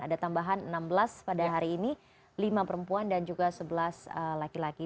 ada tambahan enam belas pada hari ini lima perempuan dan juga sebelas laki laki